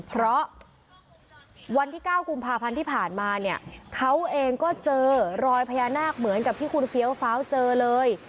เพราะวันที่๙กุมภาพันธ์ที่ผ่านมาเนี่ยเขาเองก็เจอรอยพญานาคเหมือนกับที่คุณเฟี้ยวฟ้าวเจอเลย